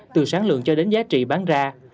từ sáng lượng cho đến giá trị bán ra